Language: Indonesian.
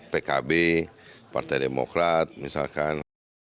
pkb partai demokrat misalkan